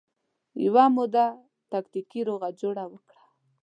یوه موده تکتیکي روغه جوړه وکړه